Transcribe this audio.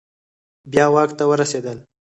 بیا واک ته ورسیدل